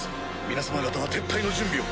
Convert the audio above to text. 皆様方は撤退の準備を。